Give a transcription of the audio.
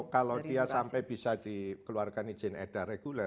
kalau dia sampai bisa dikeluarkan izin eda reguler itu emang